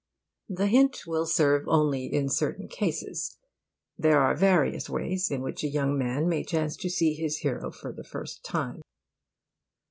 The hint will serve only in certain cases. There are various ways in which a young man may chance to see his hero for the first time.